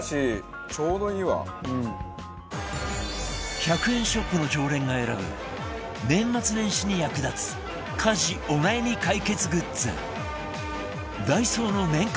１００円ショップの常連が選ぶ年末年始に役立つ家事お悩み解決グッズダイソーの年間